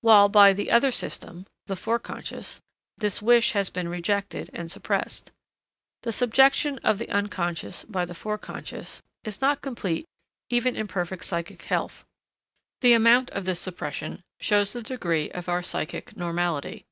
while by the other system (the Forec.), this wish has been rejected and suppressed. The subjection of the Unc. by the Forec. is not complete even in perfect psychic health; the amount of this suppression shows the degree of our psychic normality.